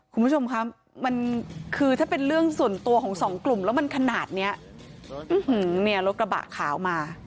คุณผู้ชมครับมันคือถ้าเป็นเรื่องส่วนตัวของสองกลุ่มแล้วมันขนาดเนี้ยเนี่ยรถกระบะขาวมา